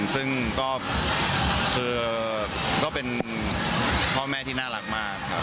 ซึ่งก็คือก็เป็นพ่อแม่ที่น่ารักมากครับ